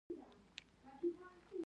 له اعلیحضرت غواړي.